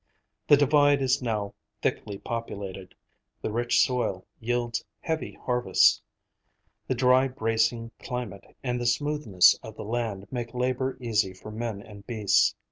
The Divide is now thickly populated. The rich soil yields heavy harvests; the dry, bracing climate and the smoothness of the land make labor easy for men and beasts.